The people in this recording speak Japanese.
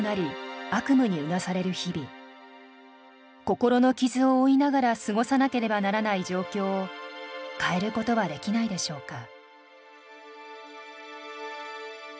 心の傷を負いながら過ごさなければならない状況を変えることはできないでしょうか」。